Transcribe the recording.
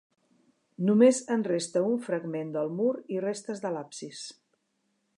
Només en resta un fragment del mur i restes de l'absis.